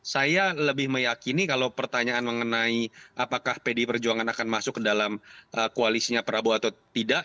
saya lebih meyakini kalau pertanyaan mengenai apakah pdi perjuangan akan masuk ke dalam koalisinya prabowo atau tidak